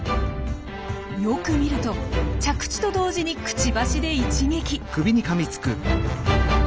よく見ると着地と同時にくちばしで一撃。